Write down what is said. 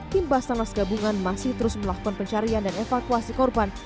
timbas tanah segabungan masih terus melakukan pencarian dan evakuasi korban